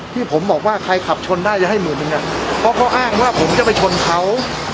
ที่ผมบอกว่าใครขับชนได้จะให้หมื่นหนึ่งอ่ะเพราะเขาอ้างว่าผมจะไปชนเขา